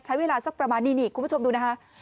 ใช้เวลาสักประมาณนี่คุณผู้ชมดูนะคะ